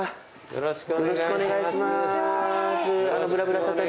よろしくお願いします。